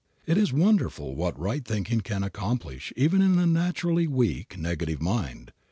It is wonderful what right thinking can accomplish even in a naturally weak, negative mind.